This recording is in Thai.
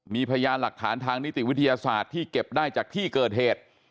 มีพยานหลักฐานทางนิติวิทยาศาสตร์ที่เก็บได้จากที่เกิดเหตุ